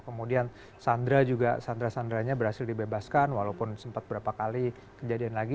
kemudian sandra juga sandra sandranya berhasil dibebaskan walaupun sempat berapa kali kejadian lagi